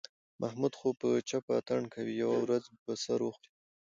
محمود خو په چپه اتڼ کوي، یوه ورځ به سر وخوري.